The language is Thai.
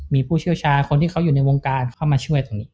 มีผู้เชี่ยวชาคนที่เขาอยู่ในวงการเข้ามาช่วยตรงนี้